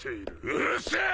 うるせえ！